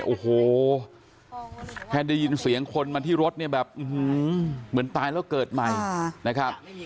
โอ้โหแค่ได้ยินเสียงคนมาที่รถเนี่ยแบบเหมือนตายแล้วเกิดใหม่นะครับ